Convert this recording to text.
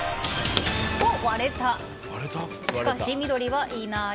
割れた、しかし緑はいない。